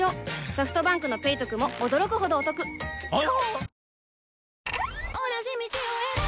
ソフトバンクの「ペイトク」も驚くほどおトクわぁ！